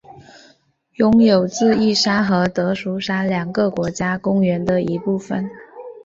拥有智异山和德裕山两个国家公园的一部份。